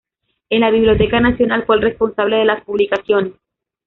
En la Biblioteca Nacional fue el responsable de las publicaciones.